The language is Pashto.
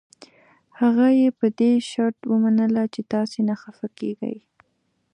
هغه یې په دې شرط ومنله که تاسي نه خفه کېږئ.